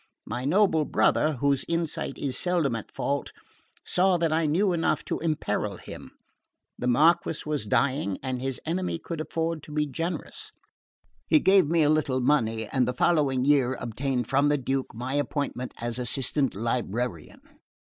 My noble brother, whose insight is seldom at fault, saw that I knew enough to imperil him. The Marquess was dying and his enemy could afford to be generous. He gave me a little money and the following year obtained from the Duke my appointment as assistant librarian.